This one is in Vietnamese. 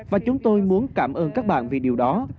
và chúng tôi muốn cảm ơn các bạn về điều đó